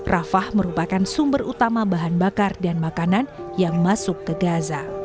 rafah merupakan sumber utama bahan bakar dan makanan yang masuk ke gaza